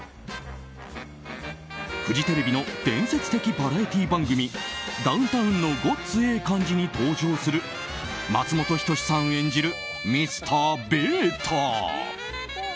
フジテレビの伝説的バラエティー番組「ダウンタウンのごっつええ感じ」に登場する松本人志さん演じるＭｒ．ＢＡＴＥＲ。